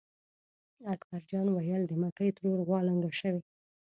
اکبر جان وېل: د مکۍ ترور غوا لنګه شوې.